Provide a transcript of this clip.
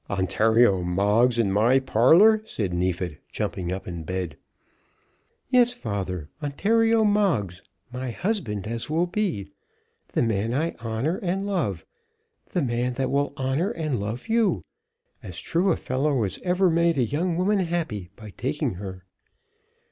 "Ontario Moggs in my parlour!" said Neefit, jumping up in bed. "Yes, father; Ontario Moggs, my husband, as will be; the man I honour and love; the man that will honour and love you; as true a fellow as ever made a young woman happy by taking her.